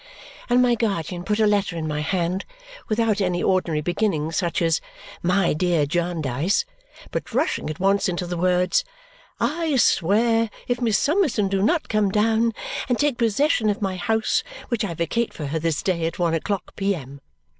And my guardian put a letter in my hand, without any ordinary beginning such as "My dear Jarndyce," but rushing at once into the words, "I swear if Miss Summerson do not come down and take possession of my house, which I vacate for her this day at one o'clock, P.M.